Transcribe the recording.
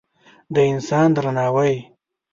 د انسان درناوی